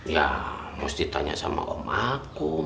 ya mesti tanya sama om aku